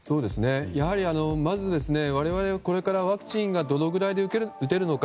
やはり、まず我々はこれからワクチンをどれぐらいで打てるのか。